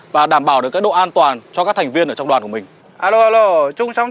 và đảm bảo được cái độ an toàn cho các thành viên ở trong đoàn của mình